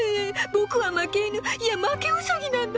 ボクは負け犬いや負けうさぎなんだ。